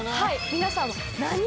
皆さんは。